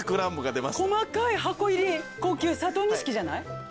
細かい箱入り高級佐藤錦じゃない？